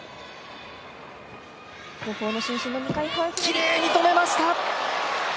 きれいに止めました！